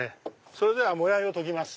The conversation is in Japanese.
それではもやいを解きます。